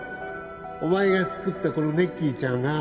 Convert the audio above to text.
お前が作ったこのネッキーちゃんが